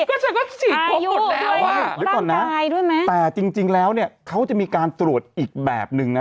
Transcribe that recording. ก็ใช่ก็อายุด้วยตั้งกายด้วยไหมแต่จริงจริงแล้วเนี่ยเขาจะมีการตรวจอีกแบบหนึ่งนะ